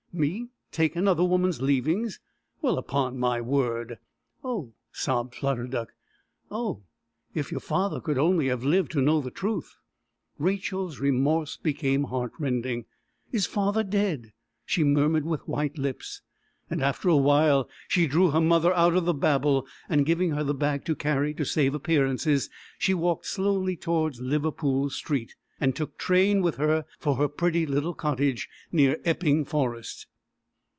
"Me take another woman's leavings? Well, upon my word!" "Oh," sobbed Flutter Duck. "Oh, if your father could only have lived to know the truth!" Rachel's remorse became heartrending. "Is father dead?" she murmured with white lips. After awhile she drew her mother out of the babel, and giving her the bag to carry to save appearances, she walked slowly towards Liverpool Street, and took train with her for her pretty little cottage near Epping Forest.